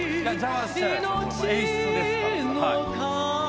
演出ですから。